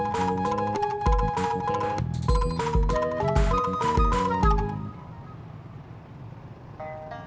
tapi aku harus pukul kenapa